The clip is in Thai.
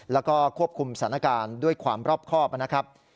แล้วก็ควบคุมสถานการณ์ด้วยความรอบครอบนะครับ